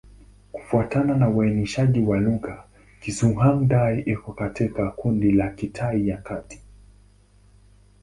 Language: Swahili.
Kufuatana na uainishaji wa lugha, Kizhuang-Dai iko katika kundi la Kitai ya Kati.